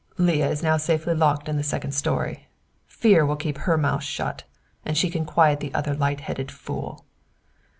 "Leah is safely locked in the second story. Fear will keep her mouth shut, and she can quiet the other light headed fool."